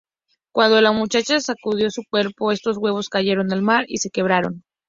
Cuando la muchacha sacudió su cuerpo estos huevos cayeron al mar y se quebraron.